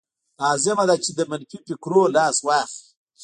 لازمه ده چې له منفي فکرونو لاس واخلئ